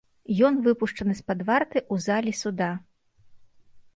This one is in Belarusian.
Ён выпушчаны з-пад варты ў залі суда.